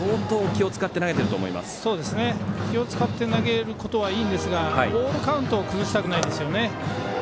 気を使って投げることはいいんですがボールカウントを崩したくないですよね。